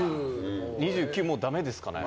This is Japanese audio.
２９はもうだめですかね？